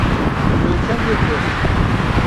Tu yê kengî bigerî?